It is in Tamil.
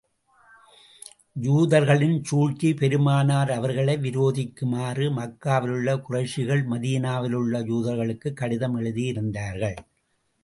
யூதர்களின் சூழ்ச்சி பெருமானார் அவர்களை விரோதிக்குமாறு, மக்காவிலுள்ள குறைஷிகள் மதீனாவிலுள்ள யூதர்களுக்குக் கடிதம் எழுதியிருந்தார்கள்.